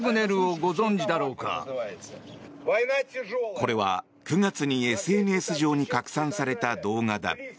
これは９月にＳＮＳ上に拡散された動画だ。